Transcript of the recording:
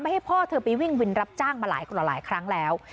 ให้พ่อเธอไปวิ่งวินรับจ้างมาหลายต่อหลายครั้งแล้ว